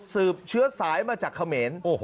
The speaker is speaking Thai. สืบเชื้อสายมาจากเขมร